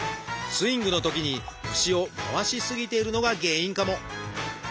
スイングのときに腰を回し過ぎているのが原因かも。